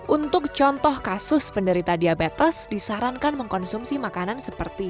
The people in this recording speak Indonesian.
untuk contoh kasus penderita diabetes disarankan mengkonsumsi makanan seperti